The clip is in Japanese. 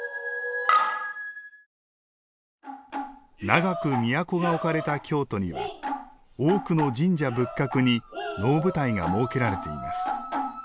長く都が置かれた京都には多くの神社仏閣に能舞台が設けられています。